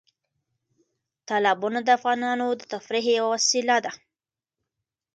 تالابونه د افغانانو د تفریح یوه وسیله ده.